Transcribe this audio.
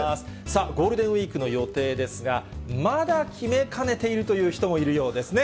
ゴールデンウィークの予定ですが、まだ決め兼ねているという人もいるようですね。